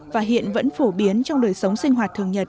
và hiện vẫn phổ biến trong đời sống sinh hoạt thường nhật